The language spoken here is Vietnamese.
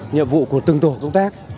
nhiệm vụ của từng tổ công tác